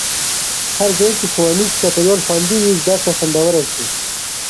هرځل چې ښوونیز چاپېریال خوندي وي، زده کړه خوندوره شي.